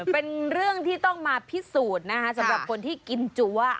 เป็นเรื่องที่ต้องมาพิสูจน์นะคะสำหรับคนที่กินจัว